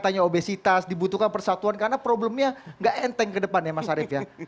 tanya obesitas dibutuhkan persatuan karena problemnya gak enteng ke depan ya mas arief ya